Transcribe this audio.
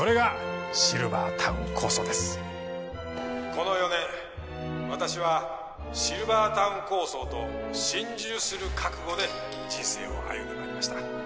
「この４年私はシルバータウン構想と心中する覚悟で人生を歩んで参りました」